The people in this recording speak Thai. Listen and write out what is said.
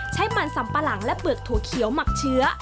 ให้มันสัมปะหลังและเปลือกถั่วเขียวหมักเชื้อ